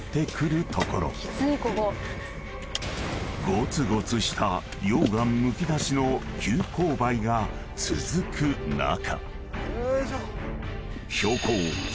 ［ごつごつした溶岩むき出しの急勾配が続く中］